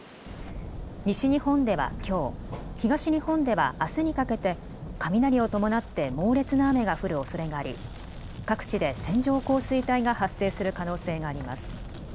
西日本ではきょう、東日本ではあすにかけて雷を伴って猛烈な雨が降るおそれがあり各地で線状降水帯が発生する可能性があります。